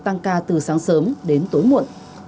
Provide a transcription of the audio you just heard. tăng ca từ sáng sớm đến tối muộn